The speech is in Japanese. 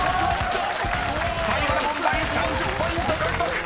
［最後の問題３０ポイント獲得！］